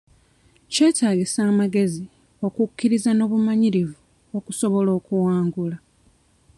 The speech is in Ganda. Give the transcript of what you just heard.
Kyetaagisa amagezi, okukkiriza n'obumalirivu okusobola okuwangula.